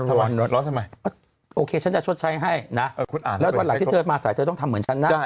ทำไมโอเคฉันจะชดใช้ให้นะแล้ววันหลังที่เธอมาสายเธอต้องทำเหมือนฉันนะ